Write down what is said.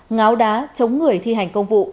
ngáo đá chống người thi hành công vụ